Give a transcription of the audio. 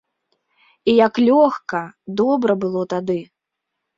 І як лёгка, добра было тады!